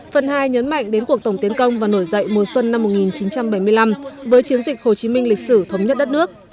phần hai nhấn mạnh đến cuộc tổng tiến công và nổi dậy mùa xuân năm một nghìn chín trăm bảy mươi năm với chiến dịch hồ chí minh lịch sử thống nhất đất nước